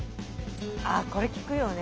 あこれ聞くよね。